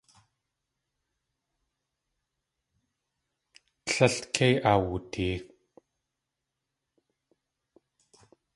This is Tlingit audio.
Tlél kei awutee.